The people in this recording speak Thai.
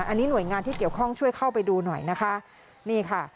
อันนี้หน่วยงานที่เกี่ยวข้องช่วยเข้าไปดูหน่อยนะคะนี่ค่ะ